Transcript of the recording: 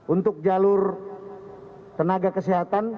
untuk jalur tenaga kesehatan